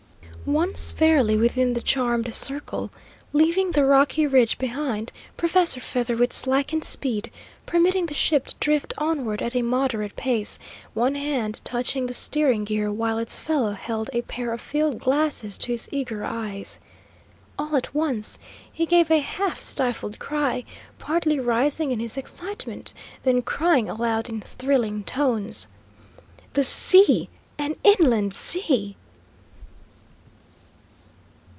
Once fairly within the charmed circle, leaving the rocky ridge behind, Professor Featherwit slackened speed, permitting the ship to drift onward at a moderate pace, one hand touching the steering gear, while its fellow held a pair of field glasses to his eager eyes. All at once he gave a half stifled cry, partly rising in his excitement, then crying aloud in thrilling tones: "The sea, an inland sea!"